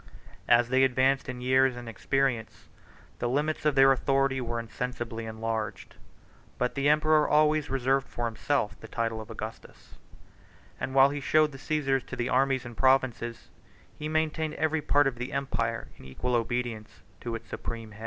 As they advanced in years and experience, the limits of their authority were insensibly enlarged: but the emperor always reserved for himself the title of Augustus; and while he showed the Cæsars to the armies and provinces, he maintained every part of the empire in equal obedience to its supreme head.